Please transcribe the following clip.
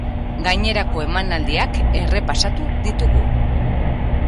Gainerako emanaldiak errepasatu ditugu.